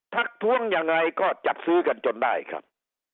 ทักท้วงยังไงก็จัดซื้อกันจนได้ครับ